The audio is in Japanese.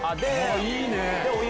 いいね。